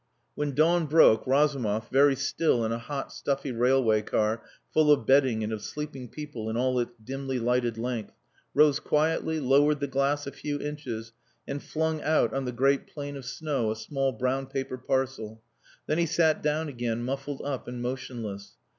When dawn broke, Razumov, very still in a hot, stuffy railway car full of bedding and of sleeping people in all its dimly lighted length, rose quietly, lowered the glass a few inches, and flung out on the great plain of snow a small brown paper parcel. Then he sat down again muffled up and motionless.